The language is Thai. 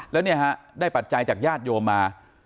แล้วเนี่ยฮะได้ปัจจัยจากญาติโยมมา